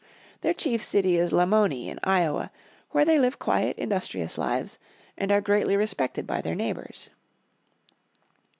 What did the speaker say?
Their chief city is Lamoni in Iowa where they live quiet industrious lives and are greatly respected by their neighbours.